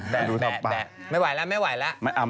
แบะแบะแบะไม่ไหวแล้วไม่ไหวแล้ว